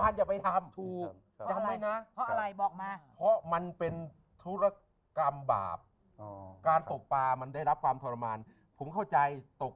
เธอไม่นะเพราะมันเป็นธุระกรรมบาปกะปะมันได้รับความทรมานผมเข้าใจตก